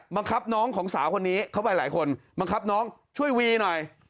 บังคับน้องของสาวคนนี้เข้าไปหลายคนบังคับน้องช่วยวีหน่อย